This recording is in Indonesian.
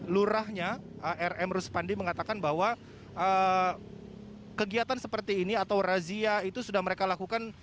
lurahnya rm ruspandi mengatakan bahwa kegiatan seperti ini atau razia itu sudah mereka lakukan